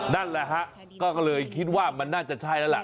นั่นแหละฮะก็เลยคิดว่ามันน่าจะใช่แล้วล่ะ